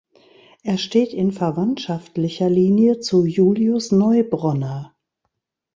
Er steht in verwandtschaftlicher Linie zu Julius Neubronner.